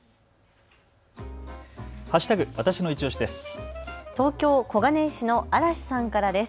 わたしのいちオシです。